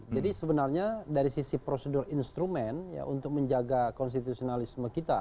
jadi sebenarnya dari sisi prosedur instrumen untuk menjaga konstitusionalisme kita